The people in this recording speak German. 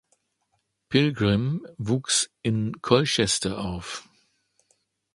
Pilgrim wuchs in Colchester auf.